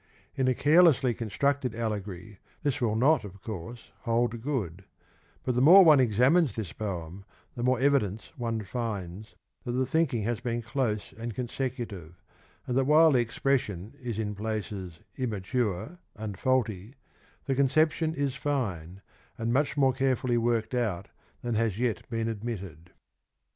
In a carelessly constructed allegory this will not, of course, hold good, but the more one examines this poem the more evidence one finds that the thinking has been close and consecutive, and that while the expression is in places immature and faulty, the conception is fine, and much more carefully worked out than has yet been admitted.